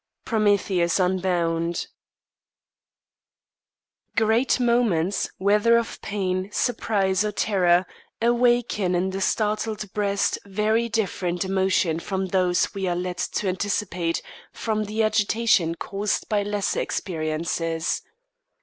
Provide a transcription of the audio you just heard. Prometheus Unbound. Great moments, whether of pain, surprise, or terror, awaken in the startled breast very different emotions from those we are led to anticipate from the agitation caused by lesser experiences.